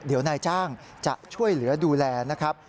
เดี๋ยวนายจ้างจะช่วยเหลือดูแลนะครับ